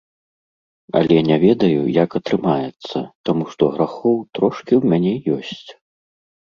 Але не ведаю, як атрымаецца, таму што грахоў трошкі ў мяне ёсць.